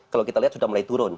kalau kita lihat sudah mulai turun